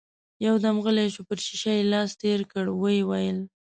يودم غلی شو، پر شيشه يې لاس تېر کړ، ويې ويل: